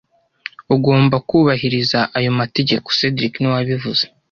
Ugomba kubahiriza ayo mategeko cedric niwe wabivuze